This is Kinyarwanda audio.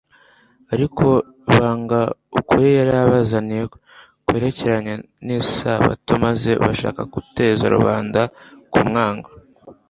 Ariko banga ukuri yari abazaniye kwerekeranye n'isabato maze bashaka guteza rubanda kumwanga,